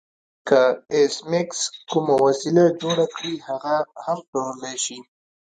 که ایس میکس کومه وسیله جوړه کړي هغه هم پلورلی شي